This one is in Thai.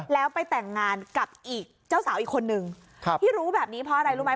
แล้วไปแต่งงานกับอีกเจ้าสาวอีกคนนึงที่รู้แบบนี้เพราะอะไรรู้ไหม